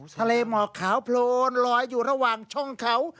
ทะเลหมอกขาวโพลนลอยอยู่ระหว่างช่องเขา